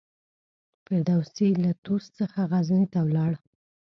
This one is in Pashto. فردوسي له طوس څخه غزني ته ولاړ.